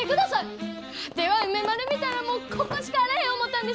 ワテは梅丸見たらもうここしかあらへん思たんです！